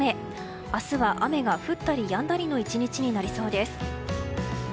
明日は雨が降ったりやんだりの１日になりそうです。